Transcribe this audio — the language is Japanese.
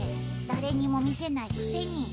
誰にも見せないくせに。